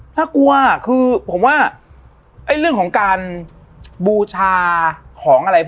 สนุกอ่ะคือเรื่องของการบูชาพวกจะฟังอะไรแต่เราเล่าล่างงั้นเย็นมาเย็น